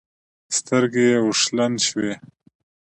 سترګې يې اوښلن شوې.